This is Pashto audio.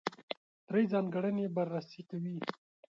درې ځانګړنې بررسي کوي.